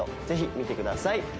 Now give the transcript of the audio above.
ぜひ見てください